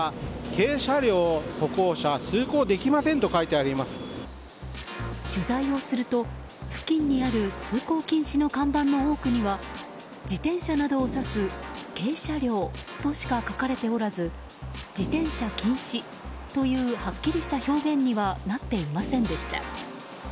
軽車両、歩行者通行できませんと取材をすると、付近にある通行禁止の看板の多くには自転車などを指す軽車両としか書かれておらず自転車禁止というはっきりした表現にはなっていませんでした。